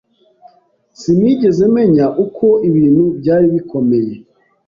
Sinigeze menya uko ibintu byari bikomeye.